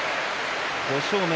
５勝目。